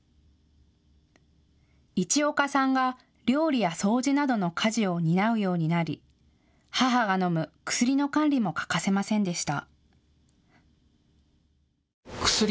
市岡さんが料理や掃除などの家事を担うようになり母が飲む薬の管理も欠かせませんでした。